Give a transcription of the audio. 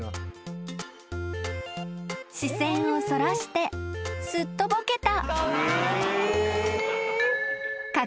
［視線をそらしてすっとぼけた］